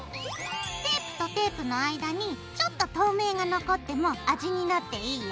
テープとテープの間にちょっと透明が残っても味になっていいよ。